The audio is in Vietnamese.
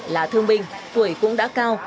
là thương binh tuổi cũng đã cao